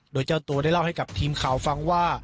โดยเจ้าตัวได้เล่าให้กับทีมข่าวฟังว่า